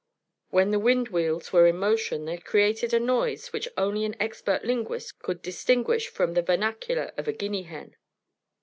When the windwheels were in motion, they created a noise which only an expert linguist could distinguish from the vernacular of a guinea hen.